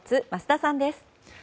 桝田さんです。